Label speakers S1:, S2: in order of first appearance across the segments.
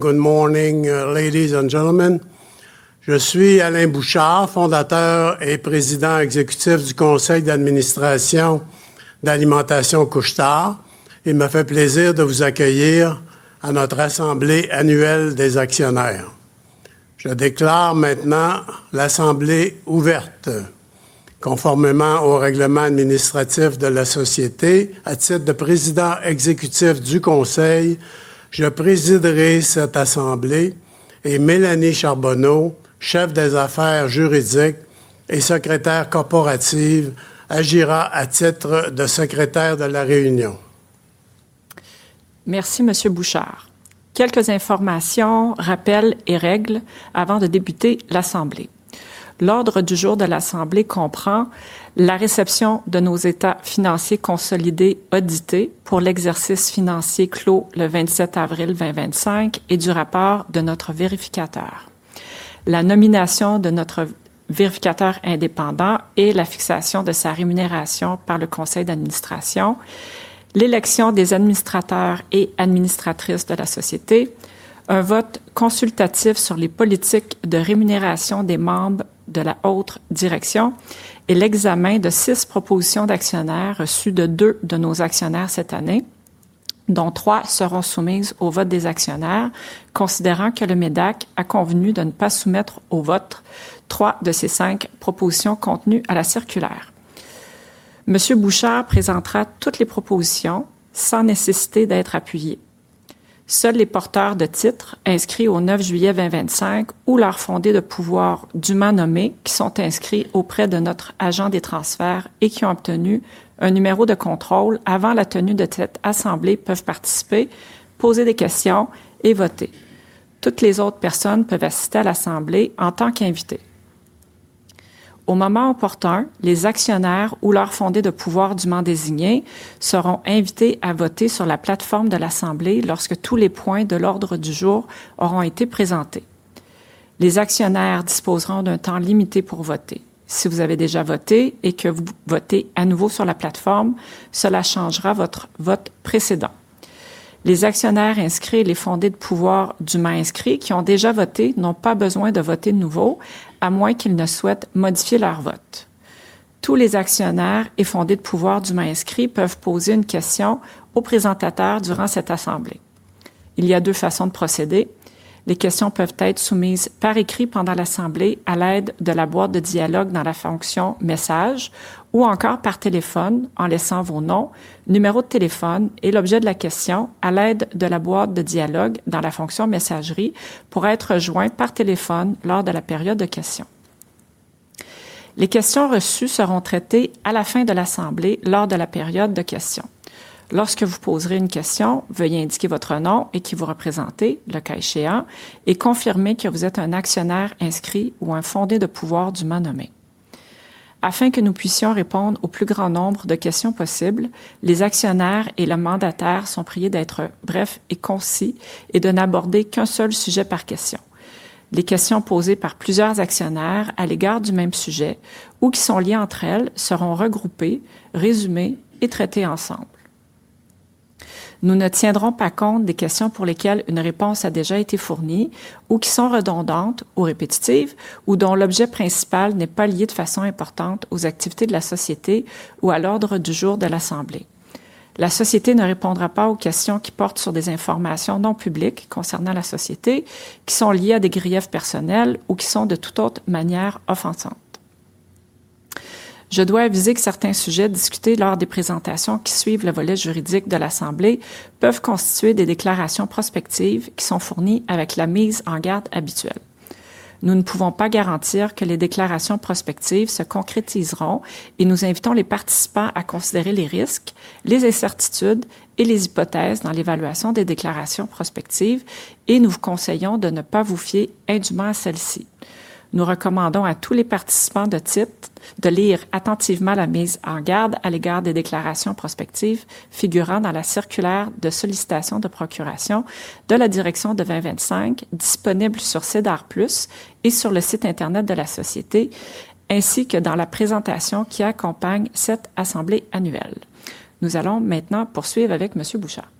S1: Good morning, ladies and gentlemen. Je suis Alain Bouchard, fondateur et président exécutif du conseil d'administration d'Alimentation Couche-Tard. Il me fait plaisir de vous accueillir à notre assemblée annuelle des actionnaires. Je déclare maintenant l'assemblée ouverte. Conformément au règlement administratif de la société, à titre de Président exécutif du conseil, je présiderai cette assemblée, et Mélanie Charbonneau, Chef des affaires juridiques et Secrétaire corporative, agira à titre de secrétaire de la réunion.
S2: Merci, Monsieur Bouchard. Quelques informations, rappels et règles avant de débuter l'assemblée. L'ordre du jour de l'assemblée comprend la réception de nos états financiers consolidés audités pour l'exercice financier clos le 27 avril 2025 et du rapport de notre vérificateur. La nomination de notre vérificateur indépendant et la fixation de sa rémunération par le conseil d'administration. L'élection des administrateurs et administratrices de la société. Un vote consultatif sur les politiques de rémunération des membres de la haute direction et l'examen de six propositions d'actionnaires reçues de deux de nos actionnaires cette année, dont trois seront soumises au vote des actionnaires, considérant que le MEDAC a convenu de ne pas soumettre au vote trois de ces cinq propositions contenues à la circulaire. Monsieur Bouchard présentera toutes les propositions sans nécessité d'être appuyé. Seuls les porteurs de titres inscrits au 9 juillet 2025 ou leurs fondés de pouvoir dûment nommés qui sont inscrits auprès de notre agent des transferts et qui ont obtenu un numéro de contrôle avant la tenue de cette assemblée peuvent participer, poser des questions et voter. Toutes les autres personnes peuvent assister à l'assemblée en tant qu'invités. Au moment opportun, les actionnaires ou leurs fondés de pouvoir dûment désignés seront invités à voter sur la plateforme de l'assemblée lorsque tous les points de l'ordre du jour auront été présentés. Les actionnaires disposeront d'un temps limité pour voter. Si vous avez déjà voté et que vous votez à nouveau sur la plateforme, cela changera votre vote précédent. Les actionnaires inscrits et les fondés de pouvoir dûment inscrits qui ont déjà voté n'ont pas besoin de voter de nouveau, à moins qu'ils ne souhaitent modifier leur vote. Tous les actionnaires et fondés de pouvoir dûment inscrits peuvent poser une question au présentateur durant cette assemblée. Il y a deux façons de procéder. Les questions peuvent être soumises par écrit pendant l'assemblée à l'aide de la boîte de dialogue dans la fonction Messages ou encore par téléphone en laissant vos noms, numéro de téléphone et l'objet de la question à l'aide de la boîte de dialogue dans la fonction Messagerie pour être rejoint par téléphone lors de la période de questions. Les questions reçues seront traitées à la fin de l'assemblée lors de la période de questions. Lorsque vous poserez une question, veuillez indiquer votre nom et qui vous représentez, le cas échéant, et confirmer que vous êtes un actionnaire inscrit ou un fondé de pouvoir dûment nommé. Afin que nous puissions répondre au plus grand nombre de questions possibles, les actionnaires et le mandataire sont priés d'être brefs et concis et de n'aborder qu'un seul sujet par question. Les questions posées par plusieurs actionnaires à l'égard du même sujet ou qui sont liées entre elles seront regroupées, résumées et traitées ensemble. Nous ne tiendrons pas compte des questions pour lesquelles une réponse a déjà été fournie ou qui sont redondantes ou répétitives ou dont l'objet principal n'est pas lié de façon importante aux activités de la société ou à l'ordre du jour de l'assemblée. La société ne répondra pas aux questions qui portent sur des informations non publiques concernant la société, qui sont liées à des griefs personnels ou qui sont de toute autre manière offensantes. Je dois aviser que certains sujets discutés lors des présentations qui suivent le volet juridique de l'assemblée peuvent constituer des déclarations prospectives qui sont fournies avec la mise en garde habituelle. Nous ne pouvons pas garantir que les déclarations prospectives se concrétiseront et nous invitons les participants à considérer les risques, les incertitudes et les hypothèses dans l'évaluation des déclarations prospectives et nous vous conseillons de ne pas vous fier indûment à celles-ci. Nous recommandons à tous les participants de lire attentivement la mise en garde à l'égard des déclarations prospectives figurant dans la circulaire de sollicitation de procuration de la direction de 2025, disponible sur SEDAR Plus et sur le site Internet de la société, ainsi que dans la présentation qui accompagne cette assemblée annuelle. Nous allons maintenant poursuivre avec Monsieur Bouchard.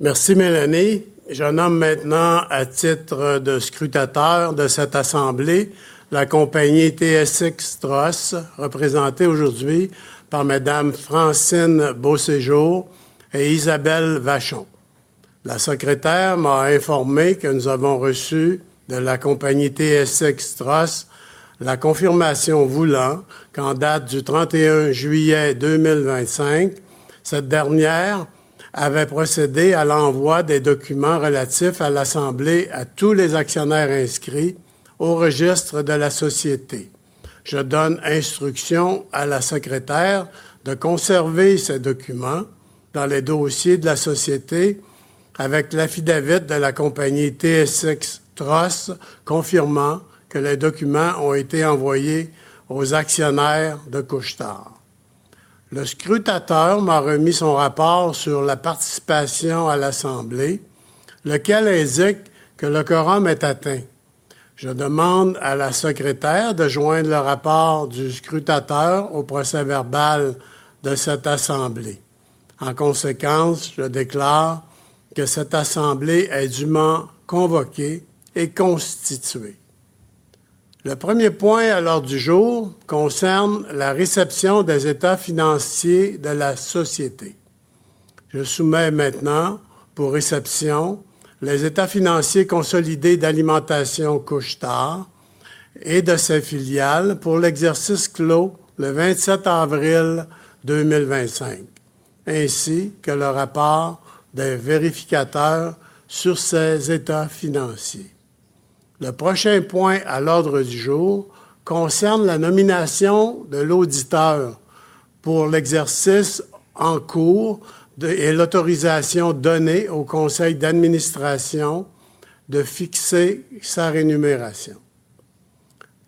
S1: Merci, Mélanie. Je nomme maintenant, à titre de scrutateur de cette assemblée, la compagnie TSX Trust, représentée aujourd'hui par Madame Francine Beausséjour et Isabelle Vachon. La secrétaire m'a informé que nous avons reçu de la compagnie TSX Trust la confirmation voulant qu'en date du 31 juillet 2025, cette dernière avait procédé à l'envoi des documents relatifs à l'assemblée à tous les actionnaires inscrits au registre de la société. Je donne instruction à la secrétaire de conserver ces documents dans les dossiers de la société avec l'affidavit de la compagnie TSX Trust confirmant que les documents ont été envoyés aux actionnaires de Couche-Tard. Le scrutateur m'a remis son rapport sur la participation à l'assemblée, lequel indique que le quorum est atteint. Je demande à la secrétaire de joindre le rapport du scrutateur au procès-verbal de cette assemblée. En conséquence, je déclare que cette assemblée est dûment convoquée et constituée. Le premier point à l'ordre du jour concerne la réception des états financiers de la société. Je soumets maintenant pour réception les états financiers consolidés d'Alimentation Couche-Tard et de ses filiales pour l'exercice clos le 27 avril 2025, ainsi que le rapport des vérificateurs sur ces états financiers. Le prochain point à l'ordre du jour concerne la nomination de l'auditeur pour l'exercice en cours et l'autorisation donnée au conseil d'administration de fixer sa rémunération.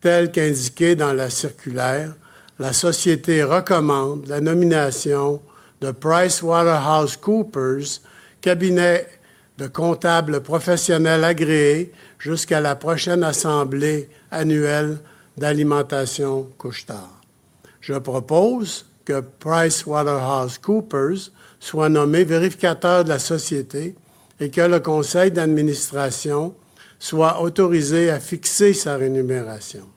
S1: Tel qu'indiqué dans la circulaire, la société recommande la nomination de PricewaterhouseCoopers, cabinet de comptables professionnels agréés, jusqu'à la prochaine assemblée annuelle d'Alimentation Couche-Tard. Je propose que PricewaterhouseCoopers soit nommé vérificateur de la société et que le conseil d'administration soit autorisé à fixer sa rémunération.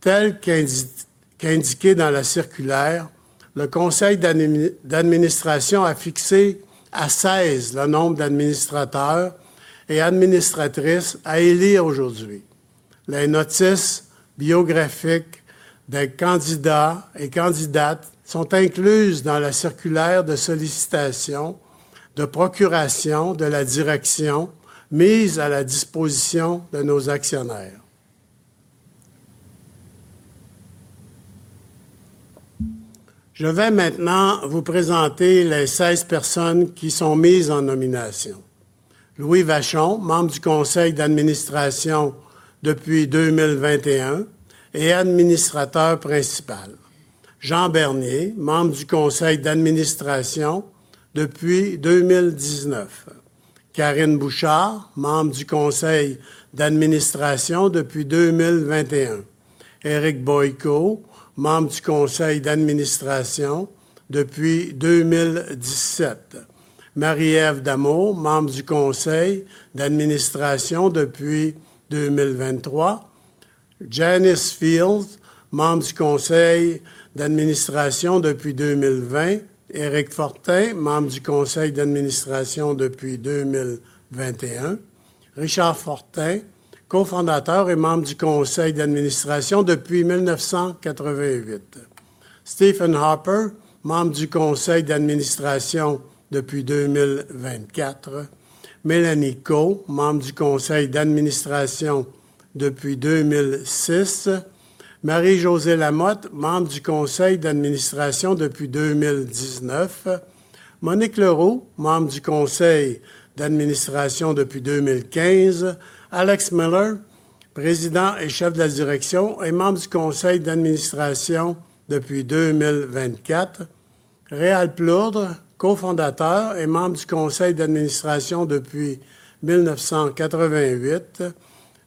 S1: Tel qu'indiqué dans la circulaire, le conseil d'administration a fixé à 16 le nombre d'administrateurs et d'administratrices à élire aujourd'hui. Les notices biographiques des candidats et candidates sont incluses dans la circulaire de sollicitation de procuration de la direction mise à la disposition de nos actionnaires. Je vais maintenant vous présenter les 16 personnes qui sont mises en nomination : Louis Vachon, membre du conseil d'administration depuis 2021 et administrateur principal; Jean Bernier, membre du conseil d'administration depuis 2019; Karine Bouchard, membre du conseil d'administration depuis 2021; Éric Boyco, membre du conseil d'administration depuis 2017 ; Marie-Ève Dameau, membre du conseil d'administration depuis 2023; Janice Fields, membre du conseil d'administration depuis 2020; Éric Fortin, membre du conseil d'administration depuis 2021; Richard Fortin, cofondateur et membre du conseil d'administration depuis 1988; Stephen Hopper, membre du conseil d'administration depuis 2024; Mélanie Cô, membre du conseil d'administration depuis 2006; Marie-Josée Lamotte, membre du conseil d'administration depuis 2019; Monique Leroux, membre du conseil d'administration depuis 2015; Alex Miller, Président et Chef de la Direction, et membre du conseil d'administration depuis 2024; Réal Plourdre, cofondateur et membre du conseil d'administration depuis 1988;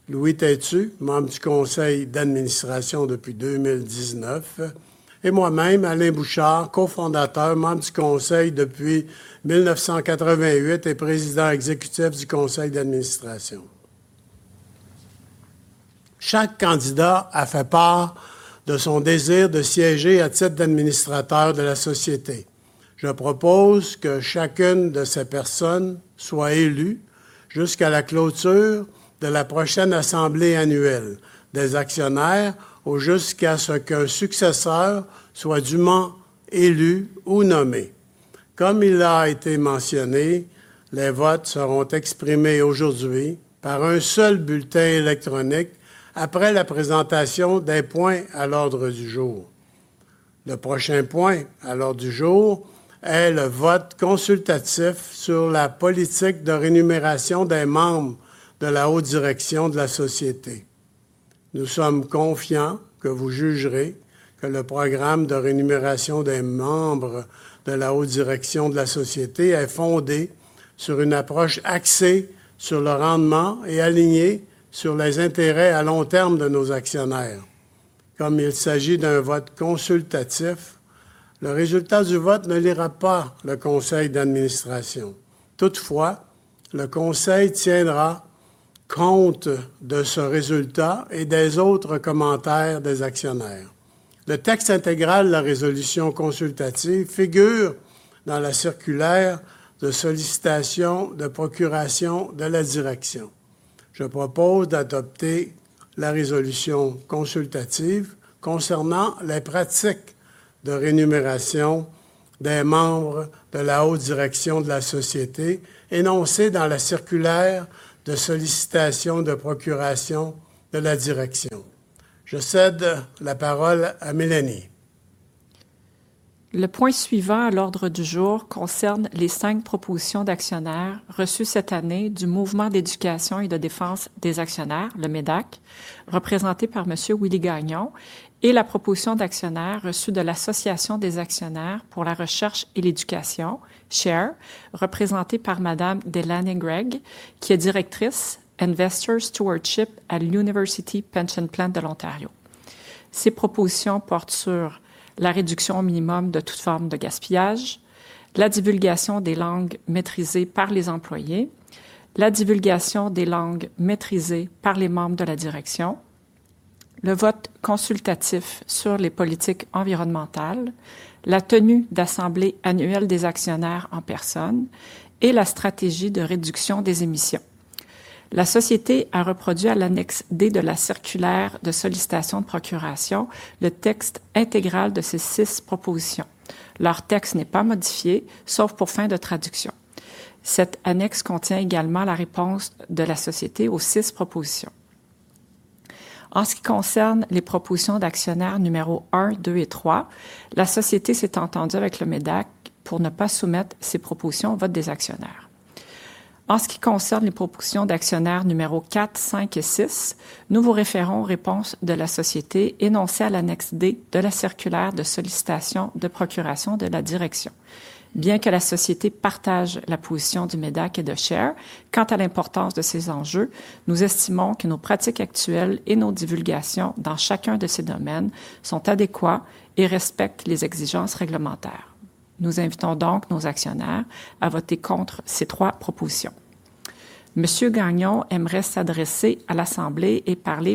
S1: Louis Têtu, membre du conseil d'administration depuis 2019; et moi-même, Alain Bouchard, cofondateur, membre du conseil depuis 1988 et Président Exécutif du conseil d'administration. Chaque candidat a fait part de son désir de siéger à titre d'administrateur de la société. Je propose que chacune de ces personnes soit élue jusqu'à la clôture de la prochaine assemblée annuelle des actionnaires ou jusqu'à ce qu'un successeur soit dûment élu ou nommé. Comme il a été mentionné, les votes seront exprimés aujourd'hui par un seul bulletin électronique après la présentation d'un point à l'ordre du jour. Le prochain point à l'ordre du jour est le vote consultatif sur la politique de rémunération des membres de la haute direction de la société. Nous sommes confiants que vous jugerez que le programme de rémunération des membres de la haute direction de la société est fondé sur une approche axée sur le rendement et alignée sur les intérêts à long terme de nos actionnaires. Comme il s'agit d'un vote consultatif, le résultat du vote ne liera pas le conseil d'administration. Toutefois, le conseil tiendra compte de ce résultat et des autres commentaires des actionnaires. Le texte intégral de la résolution consultative figure dans la circulaire de sollicitation de procuration de la direction. Je propose d'adopter la résolution consultative concernant les pratiques de rémunération des membres de la haute direction de la société énoncées dans la circulaire de sollicitation de procuration de la direction. Je cède la parole à Mélanie.
S2: Le point suivant à l'ordre du jour concerne les cinq propositions d'actionnaires reçues cette année du Mouvement d'éducation et de défense des actionnaires, le MÉDAC, représenté par Monsieur Willie Gagnon, et la proposition d'actionnaires reçue de l'Association des actionnaires pour la recherche et l'éducation, SHARE, représentée par Madame Delaney Gregg, qui est Directrice Investors Stewardship à l'University Pension Plan de l'Ontario. Ces propositions portent sur la réduction au minimum de toute forme de gaspillage, la divulgation des langues maîtrisées par les employés, la divulgation des langues maîtrisées par les membres de la direction, le vote consultatif sur les politiques environnementales, la tenue d'assemblées annuelles des actionnaires en personne et la stratégie de réduction des émissions. La société a reproduit à l'annexe D de la circulaire de sollicitation de procuration le texte intégral de ces six propositions. Leur texte n'est pas modifié, sauf pour fin de traduction. Cette annexe contient également la réponse de la société aux six propositions. En ce qui concerne les propositions d'actionnaires numéro 1, 2 et 3, la société s'est entendue avec le MEDAC pour ne pas soumettre ces propositions au vote des actionnaires. En ce qui concerne les propositions d'actionnaires numéro 4, 5 et 6, nous vous référons aux réponses de la société énoncées à l'annexe D de la circulaire de sollicitation de procuration de la direction. Bien que la société partage la position du MEDAC et de SHARE quant à l'importance de ces enjeux, nous estimons que nos pratiques actuelles et nos divulgations dans chacun de ces domaines sont adéquates et respectent les exigences réglementaires. Nous invitons donc nos actionnaires à voter contre ces trois propositions. Monsieur Gagnon aimerait s'adresser à l'assemblée et parler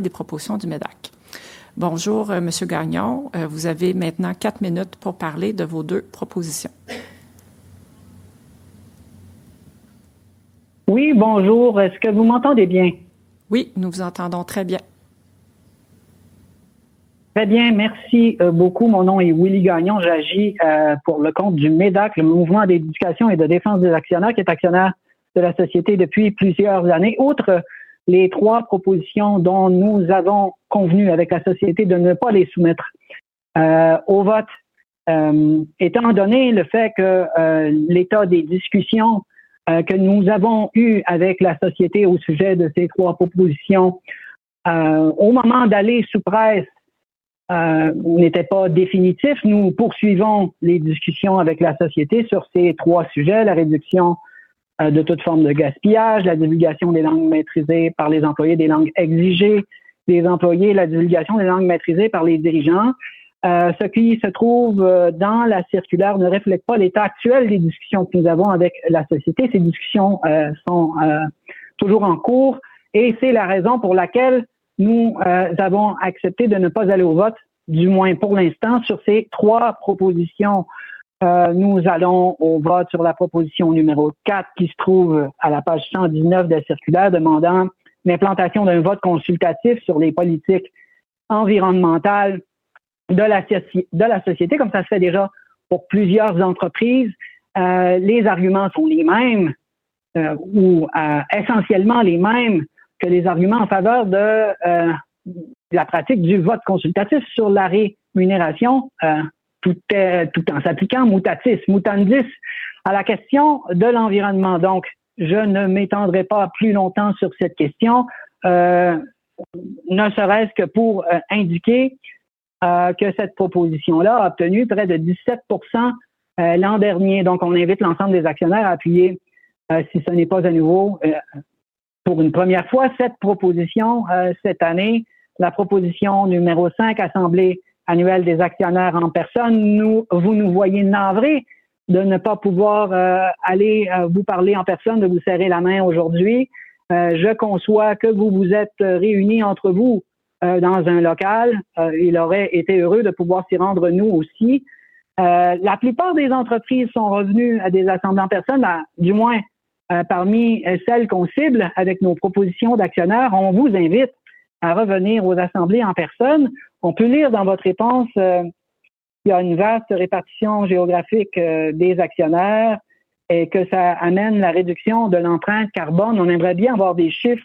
S2: des propositions du MEDAC. Bonjour, Monsieur Gagnon. Vous avez maintenant quatre minutes pour parler de vos deux propositions.
S3: Oui, bonjour. Est-ce que vous m'entendez bien?
S2: Oui, nous vous entendons très bien.
S3: Très bien, merci beaucoup. Mon nom est Willie Gagnon. J'agis pour le compte du MEDAC, le Mouvement d'Éducation et de Défense des Actionnaires, qui est actionnaire de la société depuis plusieurs années. Outre les trois propositions dont nous avons convenu avec la société de ne pas les soumettre au vote, étant donné le fait que l'état des discussions que nous avons eues avec la société au sujet de ces trois propositions, au moment d'aller sous presse, n'était pas définitif, nous poursuivons les discussions avec la société sur ces trois sujets: la réduction de toute forme de gaspillage, la divulgation des langues maîtrisées par les employés, des langues exigées des employés, la divulgation des langues maîtrisées par les dirigeants. Ce qui se trouve dans la circulaire ne reflète pas l'état actuel des discussions que nous avons avec la société. Ces discussions sont toujours en cours et c'est la raison pour laquelle nous avons accepté de ne pas aller au vote, du moins pour l'instant, sur ces trois propositions. Nous allons au vote sur la proposition numéro 4, qui se trouve à la page 119 de la circulaire, demandant l'implantation d'un vote consultatif sur les politiques environnementales de la société, comme ça se fait déjà pour plusieurs entreprises. Les arguments sont les mêmes, ou essentiellement les mêmes, que les arguments en faveur de la pratique du vote consultatif sur la rémunération, tout en s'appliquant mutatis mutandis à la question de l'environnement. Donc, je ne m'étendrai pas plus longtemps sur cette question, ne serait-ce que pour indiquer que cette proposition-là a obtenu près de 17% l'an dernier. Donc, on invite l'ensemble des actionnaires à appuyer, si ce n'est pas à nouveau pour une première fois, cette proposition cette année. La proposition numéro 5, assemblée annuelle des actionnaires en personne. Vous nous voyez navrés de ne pas pouvoir aller vous parler en personne, de vous serrer la main aujourd'hui. Je conçois que vous vous êtes réunis entre vous dans un local. Il aurait été heureux de pouvoir s'y rendre, nous aussi. La plupart des entreprises sont revenues à des assemblées en personne, du moins parmi celles qu'on cible avec nos propositions d'actionnaires. On vous invite à revenir aux assemblées en personne. On peut lire dans votre réponse qu'il y a une vaste répartition géographique des actionnaires et que ça amène la réduction de l'empreinte carbone. On aimerait bien avoir des chiffres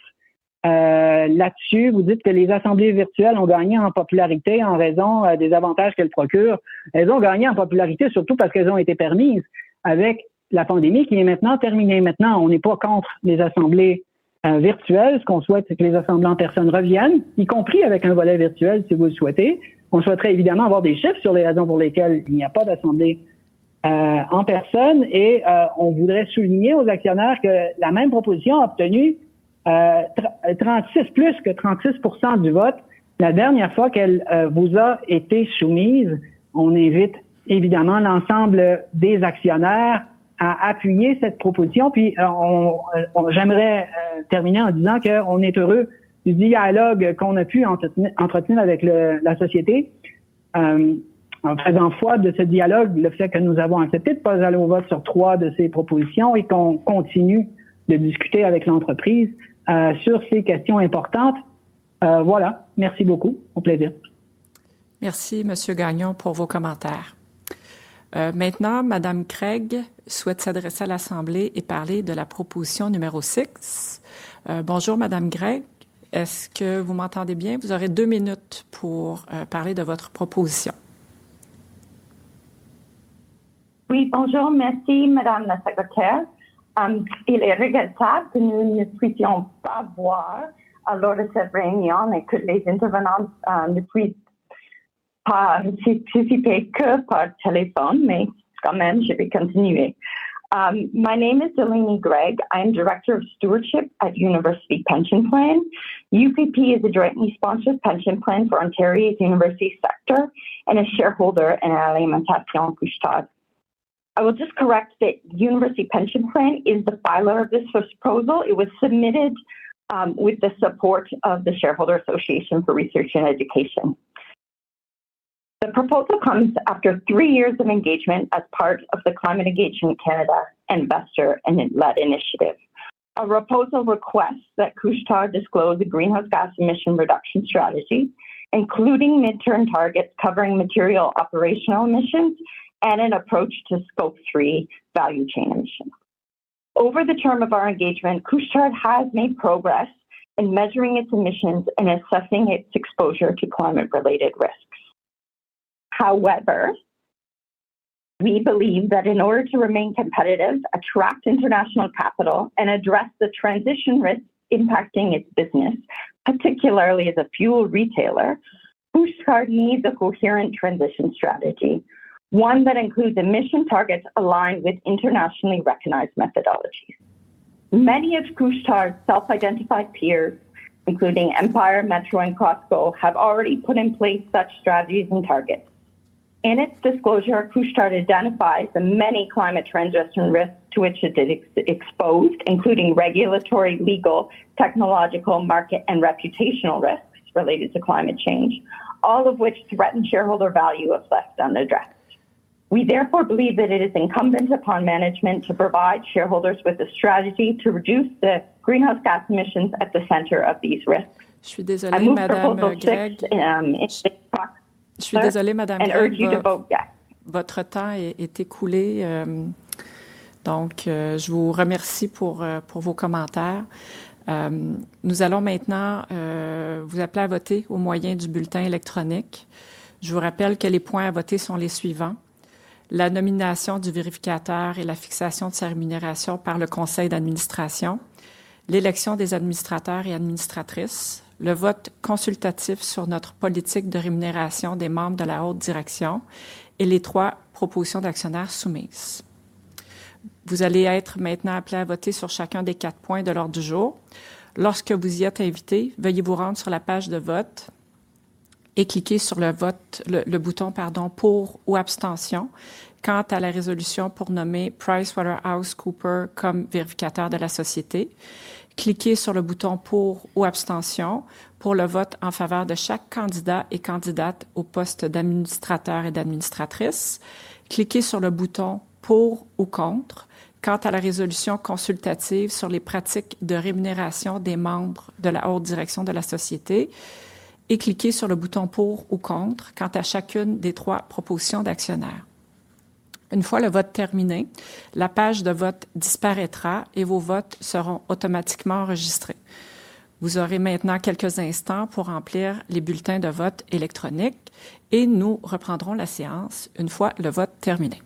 S3: là-dessus. Vous dites que les assemblées virtuelles ont gagné en popularité en raison des avantages qu'elles procurent. Elles ont gagné en popularité surtout parce qu'elles ont été permises avec la pandémie qui est maintenant terminée. Maintenant, on n'est pas contre les assemblées virtuelles. Ce qu'on souhaite, c'est que les assemblées en personne reviennent, y compris avec un volet virtuel, si vous le souhaitez. On souhaiterait évidemment avoir des chiffres sur les raisons pour lesquelles il n'y a pas d'assemblée en personne. On voudrait souligner aux actionnaires que la même proposition a obtenu plus de 36% du vote la dernière fois qu'elle vous a été soumise. On invite évidemment l'ensemble des actionnaires à appuyer cette proposition. J'aimerais terminer en disant qu'on est heureux du dialogue qu'on a pu entretenir avec la société. En faisant foi de ce dialogue, le fait que nous avons accepté de ne pas aller au vote sur trois de ces propositions et qu'on continue de discuter avec l'entreprise sur ces questions importantes. Voilà, merci beaucoup. Au plaisir.
S2: Merci, Monsieur Gagnon, pour vos commentaires. Maintenant, Madame Craig souhaite s'adresser à l'assemblée et parler de la proposition numéro 6. Bonjour, Madame Craig. Est-ce que vous m'entendez bien? Vous aurez deux minutes pour parler de votre proposition.
S4: Oui, bonjour. Merci, madame la secrétaire. Il est regrettable que nous ne puissions pas nous voir lors de cette réunion et que les intervenants ne puissent participer que par téléphone, mais quand même, je vais continuer. My name is Delaney Craig. I am Director of Stewardship at University Pension Plan. UPP is a directly sponsored pension plan for Ontario's university sector and a shareholder in Alimentation Couche-Tard. I will just correct that University Pension Plan is the filer of this proposal. It was submitted with the support of the Shareholders Association for Research and Education. The proposal comes after three years of engagement as part of the Climate Engagement Canada Investor-Led Initiative. The proposal requests that Couche-Tard disclose a greenhouse gas emission reduction strategy, including midterm targets covering material operational emissions and an approach to Scope 3 value chain emissions. Over the term of our engagement, Couche-Tard has made progress in measuring its emissions and assessing its exposure to climate-related risks. However, we believe that in order to remain competitive, attract international capital, and address the transition risks impacting its business, particularly as a fuel retailer, Couche-Tard needs a coherent transition strategy, one that includes emission targets aligned with internationally recognized methodologies. Many of Couche-Tard's self-identified peers, including Empire, Metro, and Costco, have already put in place such strategies and targets. In its disclosure, Couche-Tard identifies the many climate transition risks to which it is exposed, including regulatory, legal, technological, market, and reputational risks related to climate change, all of which threaten shareholder value if left unaddressed. We therefore believe that it is incumbent upon management to provide shareholders with a strategy to reduce the greenhouse gas emissions at the center of these risks.
S2: Je suis désolée, madame Berger, et je vous prie de voter. Votre temps est écoulé. Donc, je vous remercie pour vos commentaires. Nous allons maintenant vous appeler à voter au moyen du bulletin électronique. Je vous rappelle que les points à voter sont les suivants: la nomination du vérificateur et la fixation de sa rémunération par le conseil d'administration, l'élection des administrateurs et administratrices, le vote consultatif sur notre politique de rémunération des membres de la haute direction et les trois propositions d'actionnaires soumises. Vous allez être maintenant appelés à voter sur chacun des quatre points de l'ordre du jour. Lorsque vous y êtes invités, veuillez vous rendre sur la page de vote et cliquer sur le bouton « Pour » ou « Abstention » quant à la résolution pour nommer PricewaterhouseCoopers comme vérificateur de la société. Cliquez sur le bouton « Pour » ou « Abstention » pour le vote en faveur de chaque candidat et candidate au poste d'administrateur et d'administratrice. Cliquez sur le bouton « Pour » ou « Contre » quant à la résolution consultative sur les pratiques de rémunération des membres de la haute direction de la société, et cliquez sur le bouton « Pour » ou « Contre » quant à chacune des trois propositions d'actionnaires. Une fois le vote terminé, la page de vote disparaîtra et vos votes seront automatiquement enregistrés. Vous aurez maintenant quelques instants pour remplir les bulletins de vote électroniques et nous reprendrons la séance une fois le vote terminé.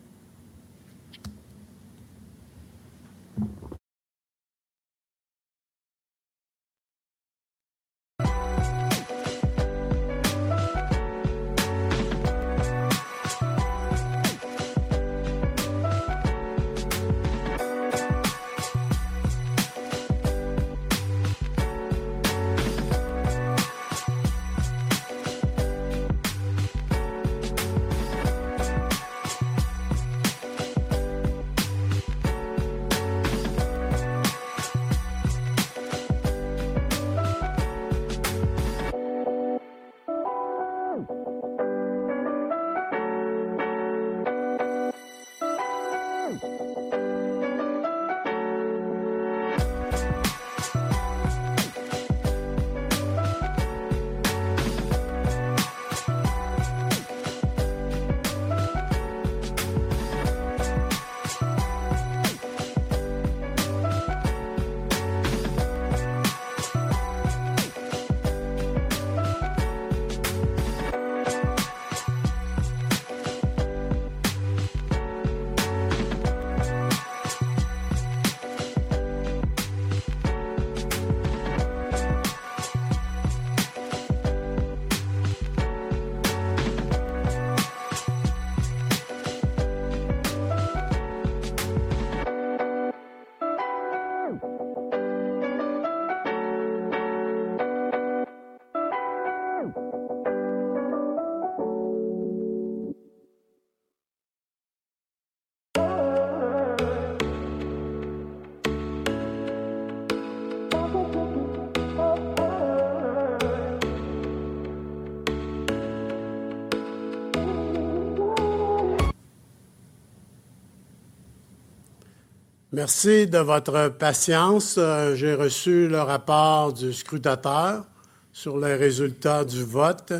S2: Merci de votre patience. J'ai reçu le rapport du scrutateur sur les résultats du vote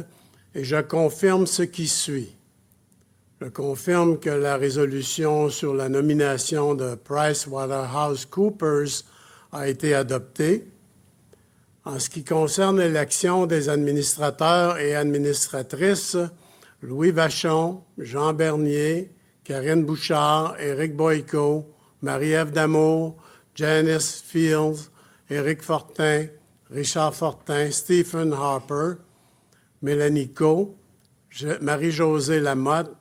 S2: et je confirme ce qui suit. Je confirme que la résolution sur la nomination de PricewaterhouseCoopers a été adoptée. En ce qui concerne l'élection des administrateurs et administratrices: Louis Vachon, Jean Bernier, Karine Bouchard, Éric Boyco, Marie-Eve D'Amour, Janice Fields, Éric Fortin, Richard Fortin, Stephen Harper, Mélanie Côté, Marie-Josée Lamothe,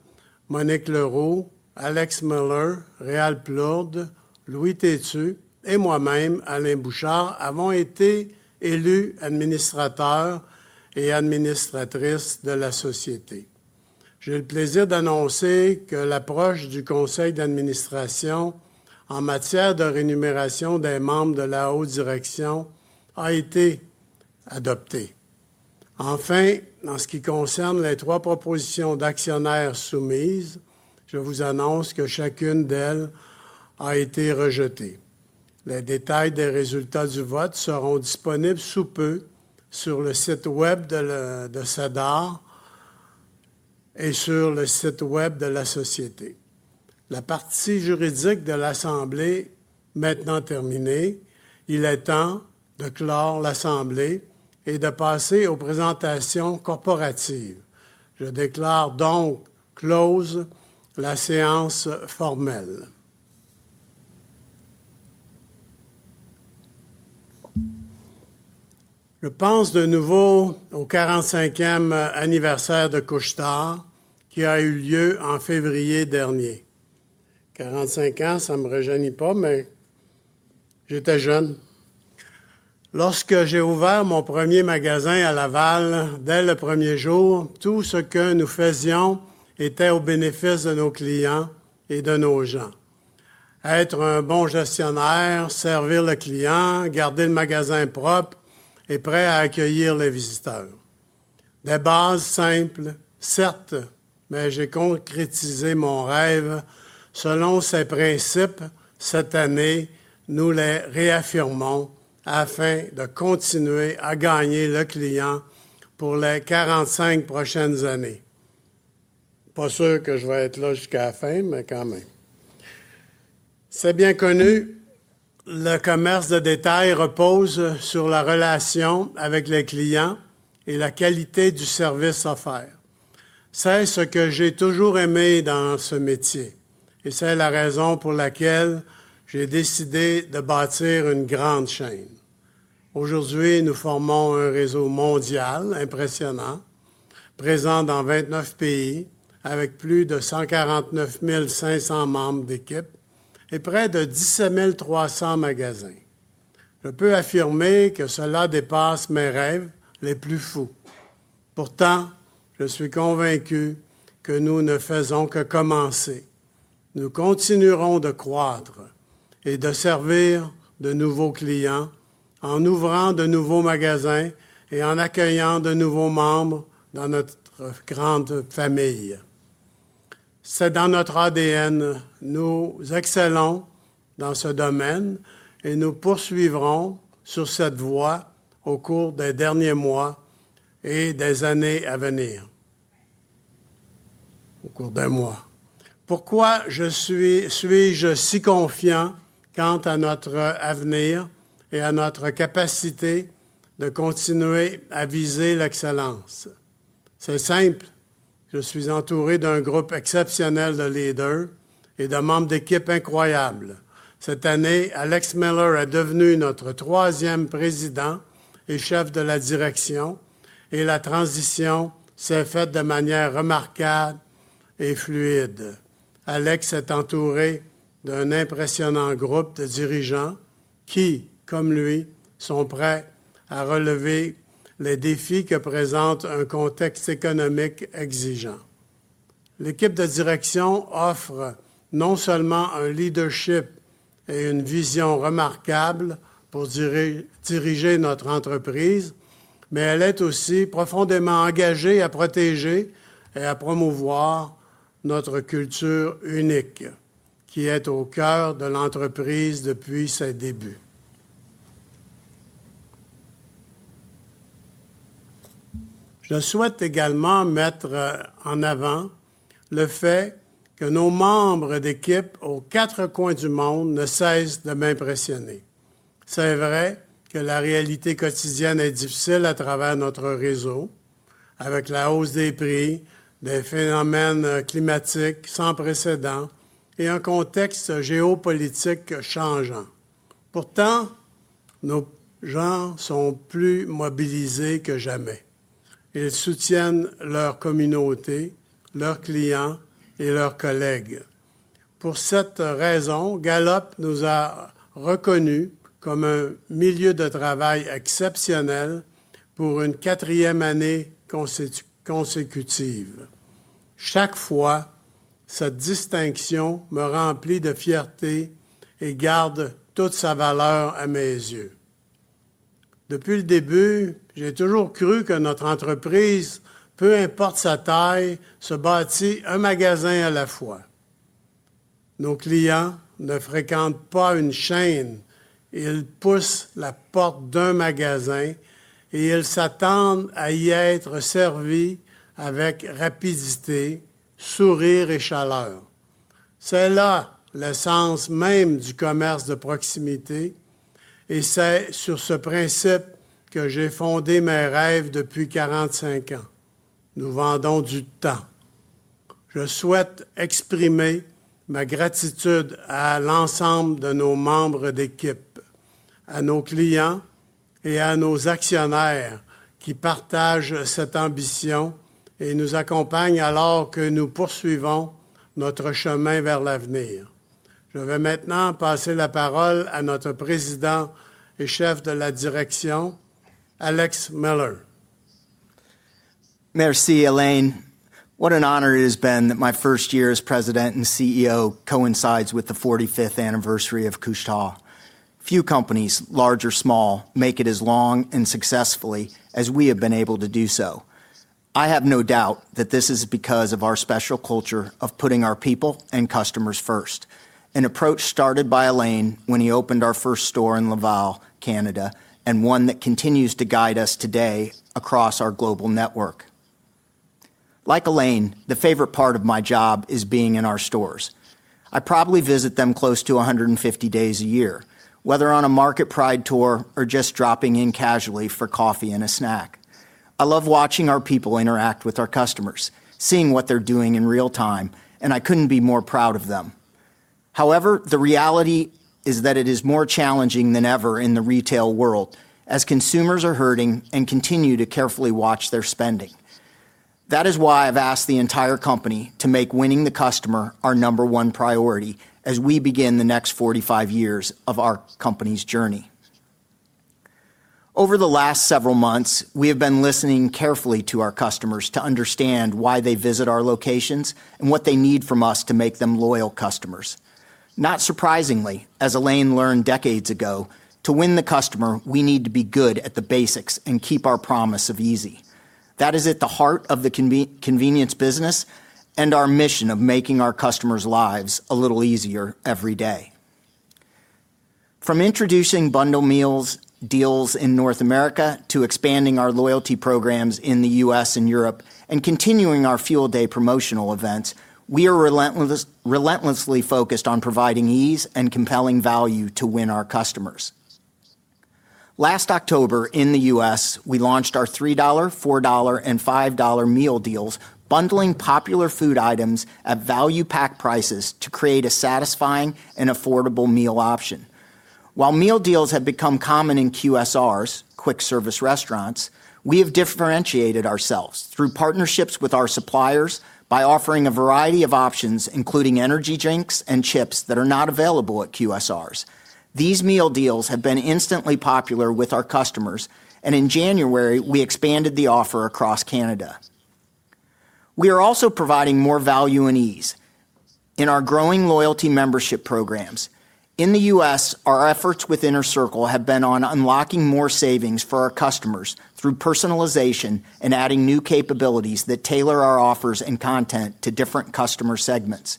S2: Monique Leroux, Alex Miller, Réal Plourde, Louis Tétu et moi-même, Alain Bouchard, avons été élus administrateurs et administratrices de la société. J'ai le plaisir d'annoncer que l'approche du conseil d'administration en matière de rémunération des membres de la haute direction a été adoptée. Enfin, en ce qui concerne les trois propositions d'actionnaires soumises, je vous annonce que chacune d'elles a été rejetée. Les détails des résultats du vote seront disponibles sous peu sur le site web de SEDAR et sur le site web de la société. La partie juridique de l'assemblée est maintenant terminée. Il est temps de clore l'assemblée et de passer aux présentations corporatives. Je déclare donc close la séance formelle. Je pense de nouveau au 45e anniversaire de Couche-Tard, qui a eu lieu en février dernier. 45 ans, ça ne me rajeunit pas, mais j'étais jeune. Lorsque j'ai ouvert mon premier magasin à Laval, dès le premier jour, tout ce que nous faisions était au bénéfice de nos clients et de nos gens. Être un bon gestionnaire, servir le client, garder le magasin propre et prêt à accueillir les visiteurs. Des bases simples, certes, mais j'ai concrétisé mon rêve selon ces principes. Cette année, nous les réaffirmons afin de continuer à gagner le client pour les 45 prochaines années. Pas sûr que je vais être là jusqu'à la fin, mais quand même. C'est bien connu, le commerce de détail repose sur la relation avec les clients et la qualité du service offert. C'est ce que j'ai toujours aimé dans ce métier et c'est la raison pour laquelle j'ai décidé de bâtir une grande chaîne. Aujourd'hui, nous formons un réseau mondial impressionnant, présent dans 29 pays avec plus de 149 500 membres d'équipe et près de 17 300 magasins. Je peux affirmer que cela dépasse mes rêves les plus fous. Pourtant, je suis convaincu que nous ne faisons que commencer. Nous continuerons de croître et de servir de nouveaux clients en ouvrant de nouveaux magasins et en accueillant de nouveaux membres dans notre grande famille. C'est dans notre ADN. Nous excellons dans ce domaine et nous poursuivrons sur cette voie au cours des derniers mois et des années à venir. Pourquoi suis-je si confiant quant à notre avenir et à notre capacité de continuer à viser l'excellence? C'est simple. Je suis entouré d'un groupe exceptionnel de leaders et de membres d'équipe incroyables. Cette année, Alex Miller est devenu notre troisième Président et Chef de la Direction, et la transition s'est faite de manière remarquable et fluide. Alex est entouré d'un impressionnant groupe de dirigeants qui, comme lui, sont prêts à relever les défis que présente un contexte économique exigeant. L'équipe de direction offre non seulement un leadership et une vision remarquables pour diriger notre entreprise, mais elle est aussi profondément engagée à protéger et à promouvoir notre culture unique qui est au cœur de l'entreprise depuis ses débuts. Je souhaite également mettre en avant le fait que nos membres d'équipe aux quatre coins du monde ne cessent de m'impressionner. C'est vrai que la réalité quotidienne est difficile à travers notre réseau, avec la hausse des prix, des phénomènes climatiques sans précédent et un contexte géopolitique changeant. Pourtant, nos gens sont plus mobilisés que jamais. Ils soutiennent leur communauté, leurs clients et leurs collègues. Pour cette raison, Gallup nous a reconnus comme un milieu de travail exceptionnel pour une quatrième année consécutive. Chaque fois, cette distinction me remplit de fierté et garde toute sa valeur à mes yeux. Depuis le début, j'ai toujours cru que notre entreprise, peu importe sa taille, se bâtit un magasin à la fois. Nos clients ne fréquentent pas une chaîne. Ils poussent la porte d'un magasin et ils s'attendent à y être servis avec rapidité, sourire et chaleur. C'est là l'essence même du commerce de proximité, et c'est sur ce principe que j'ai fondé mes rêves depuis 45 ans. Nous vendons du temps. Je souhaite exprimer ma gratitude à l'ensemble de nos membres d'équipe, à nos clients et à nos actionnaires qui partagent cette ambition et nous accompagnent alors que nous poursuivons notre chemin vers l'avenir. Je vais maintenant passer la parole à notre président et chef de la direction, Alex Miller. Merci, Alain. What an honor it has been that my first year as President and CEO coincides with the 45th anniversary of Couche-Tard. Few companies, large or small, make it as long and successfully as we have been able to do so. I have no doubt that this is because of our special culture of putting our people and customers first, an approach started by Alain when he opened our first store in Laval, Canada, and one that continues to guide us today across our global network. Like Alain, the favorite part of my job is being in our stores. I probably visit them close to 150 days a year, whether on a market pride tour or just dropping in casually for coffee and a snack. I love watching our people interact with our customers, seeing what they're doing in real time, and I couldn't be more proud of them. However, the reality is that it is more challenging than ever in the retail world, as consumers are hurting and continue to carefully watch their spending. That is why I've asked the entire company to make winning the customer our number one priority as we begin the next 45 years of our company's journey. Over the last several months, we have been listening carefully to our customers to understand why they visit our locations and what they need from us to make them loyal customers. Not surprisingly, as Alain learned decades ago, to win the customer, we need to be good at the basics and keep our promise of easy. That is at the heart of the convenience business and our mission of making our customers' lives a little easier every day. From introducing bundle meals deals in North America, to expanding our loyalty programs in the U.S. and Europe and continuing our Fuel Day promotional events, we are relentlessly focused on providing ease and compelling value to win our customers. Last October, in the U.S., we launched our $3, $4, and $5 meal deals, bundling popular food items at value-packed prices to create a satisfying and affordable meal option. While meal deals have become common in QSRs, quick-service restaurants, we have differentiated ourselves through partnerships with our suppliers by offering a variety of options, including energy drinks and chips that are not available at QSRs. These meal deals have been instantly popular with our customers, and in January, we expanded the offer across Canada. We are also providing more value and ease in our growing loyalty membership programs. In the U.S., our efforts with Inner Circle have been on unlocking more savings for our customers through personalization and adding new capabilities that tailor our offers and content to different customer segments.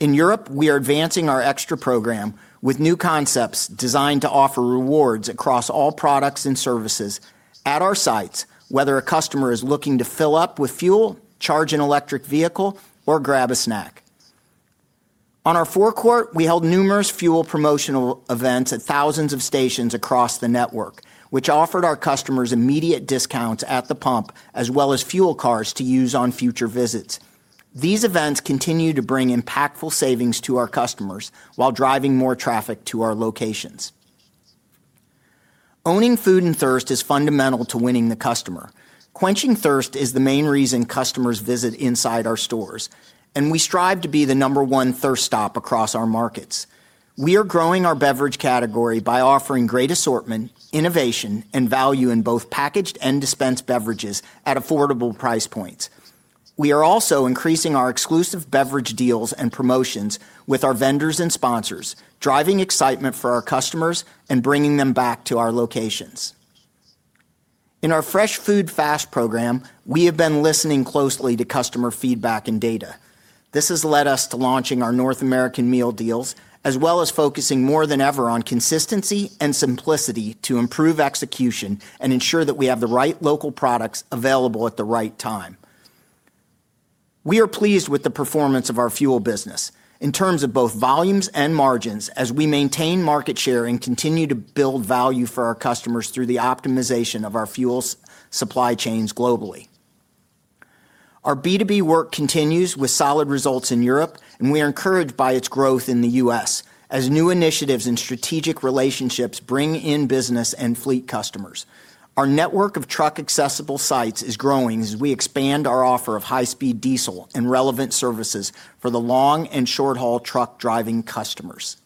S2: In Europe, we are advancing our extra program with new concepts designed to offer rewards across all products and services at our sites, whether a customer is looking to fill up with fuel, charge an electric vehicle, or grab a snack. On our forecourt, we held numerous fuel promotional events at thousands of stations across the network, which offered our customers immediate discounts at the pump, as well as fuel cards to use on future visits. These events continue to bring impactful savings to our customers while driving more traffic to our locations. Owning food and thirst is fundamental to winning the customer. Quenching thirst is the main reason customers visit inside our stores, and we strive to be the number one thirst stop across our markets. We are growing our beverage category by offering great assortment, innovation, and value in both packaged and dispensed beverages at affordable price points. We are also increasing our exclusive beverage deals and promotions with our vendors and sponsors, driving excitement for our customers and bringing them back to our locations. In our Fresh Food Fast program, we have been listening closely to customer feedback and data. This has led us to launching our North American meal deals, as well as focusing more than ever on consistency and simplicity to improve execution and ensure that we have the right local products available at the right time. We are pleased with the performance of our fuel business in terms of both volumes and margins as we maintain market share and continue to build value for our customers through the optimization of our fuel supply chains globally. Our B2B work continues with solid results in Europe, and we are encouraged by its growth in the U.S. as new initiatives and strategic relationships bring in business and fleet customers. Our network of truck-accessible sites is growing as we expand our offer of high-speed diesel and relevant services for the long and short-haul truck-driving customers.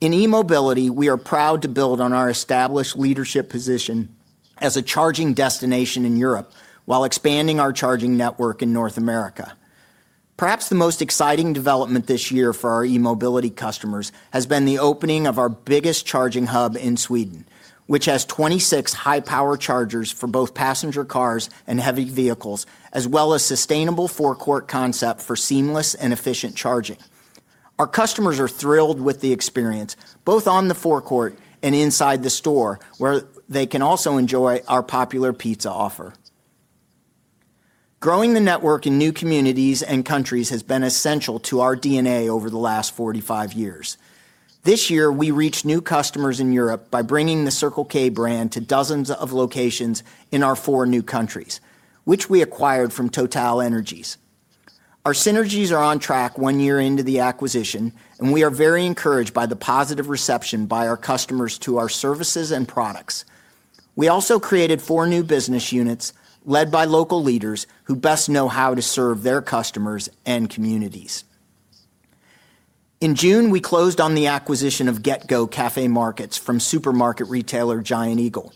S2: In e-mobility, we are proud to build on our established leadership position as a charging destination in Europe while expanding our charging network in North America. Perhaps the most exciting development this year for our e-mobility customers has been the opening of our biggest charging hub in Sweden, which has 26 high-power chargers for both passenger cars and heavy vehicles, as well as a sustainable forecourt concept for seamless and efficient charging. Our customers are thrilled with the experience, both on the forecourt and inside the store, where they can also enjoy our popular pizza offer. Growing the network in new communities and countries has been essential to our DNA over the last 45 years. This year, we reached new customers in Europe by bringing the Circle K brand to dozens of locations in our four new countries, which we acquired from Total Energies. Our synergies are on track one year into the acquisition, and we are very encouraged by the positive reception by our customers to our services and products. We also created four new business units led by local leaders who best know how to serve their customers and communities. In June, we closed on the acquisition of Get Go Café Markets from supermarket retailer Giant Eagle.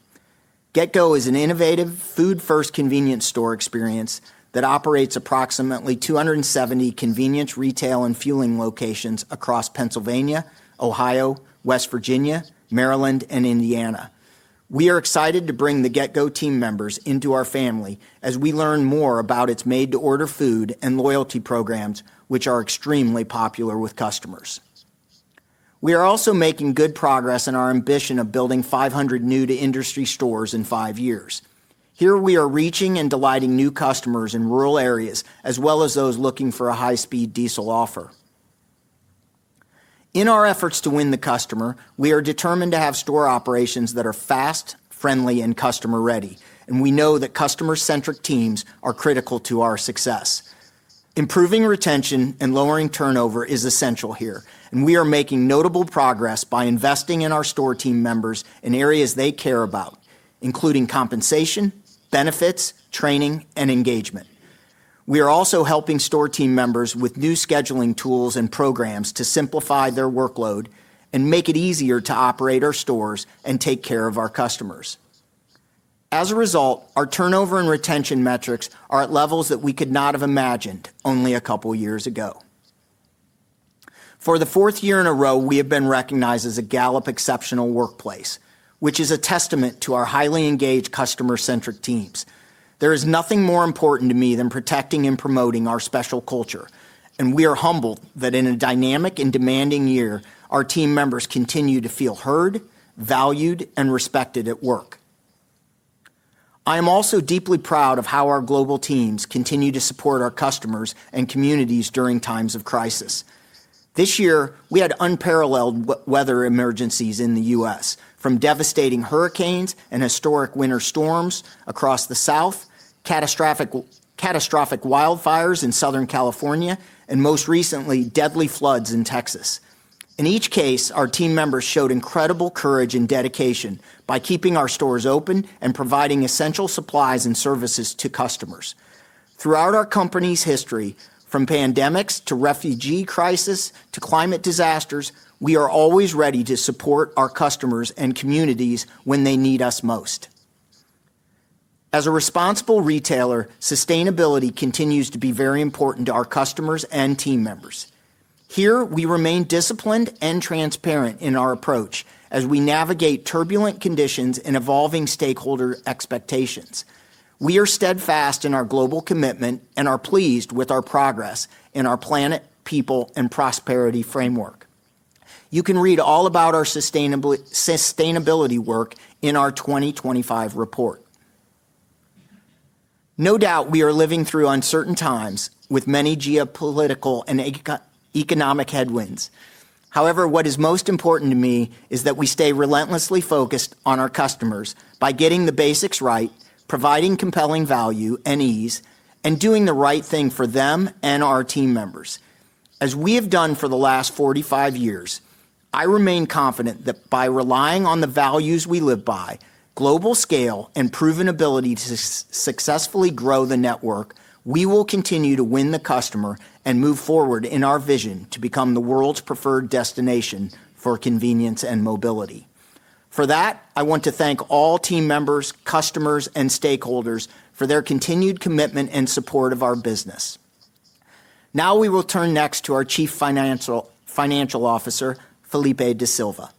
S2: Get Go is an innovative food-first convenience store experience that operates approximately 270 convenience, retail, and fueling locations across Pennsylvania, Ohio, West Virginia, Maryland, and Indiana. We are excited to bring the Get Go team members into our family as we learn more about its made-to-order food and loyalty programs, which are extremely popular with customers. We are also making good progress in our ambition of building 500 new-to-industry stores in five years. Here, we are reaching and delighting new customers in rural areas, as well as those looking for a high-speed diesel offer. In our efforts to win the customer, we are determined to have store operations that are fast, friendly, and customer-ready, and we know that customer-centric teams are critical to our success. Improving retention and lowering turnover is essential here, and we are making notable progress by investing in our store team members in areas they care about, including compensation, benefits, training, and engagement. We are also helping store team members with new scheduling tools and programs to simplify their workload and make it easier to operate our stores and take care of our customers. As a result, our turnover and retention metrics are at levels that we could not have imagined only a couple of years ago. For the fourth year in a row, we have been recognized as a Gallup Exceptional Workplace, which is a testament to our highly engaged, customer-centric teams. There is nothing more important to me than protecting and promoting our special culture, and we are humbled that in a dynamic and demanding year, our team members continue to feel heard, valued, and respected at work. I am also deeply proud of how our global teams continue to support our customers and communities during times of crisis. This year, we had unparalleled weather emergencies in the U.S., from devastating hurricanes and historic winter storms across the South, catastrophic wildfires in Southern California, and most recently, deadly floods in Texas. In each case, our team members showed incredible courage and dedication by keeping our stores open and providing essential supplies and services to customers. Throughout our company's history, from pandemics to refugee crises to climate disasters, we are always ready to support our customers and communities when they need us most. As a responsible retailer, sustainability continues to be very important to our customers and team members. Here, we remain disciplined and transparent in our approach as we navigate turbulent conditions and evolving stakeholder expectations. We are steadfast in our global commitment and are pleased with our progress in our planet, people, and prosperity framework. You can read all about our sustainability work in our 2025 report. No doubt, we are living through uncertain times with many geopolitical and economic headwinds. However, what is most important to me is that we stay relentlessly focused on our customers by getting the basics right, providing compelling value and ease, and doing the right thing for them and our team members. As we have done for the last 45 years, I remain confident that by relying on the values we live by, global scale, and proven ability to successfully grow the network, we will continue to win the customer and move forward in our vision to become the world's preferred destination for convenience and mobility. For that, I want to thank all team members, customers, and stakeholders for their continued commitment and support of our business. Now, we will turn next to our Chief Financial Officer, Felipe De Silva.